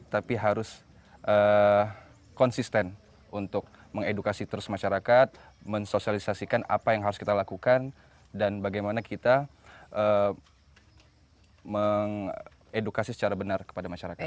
tapi harus konsisten untuk mengedukasi terus masyarakat mensosialisasikan apa yang harus kita lakukan dan bagaimana kita mengedukasi secara benar kepada masyarakat